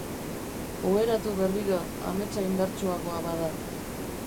Oheratu berriro, ametsa indartsuagoa bada.